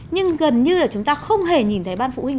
nhưng gần như là chúng ta không hề nhìn thấy ban phụ huynh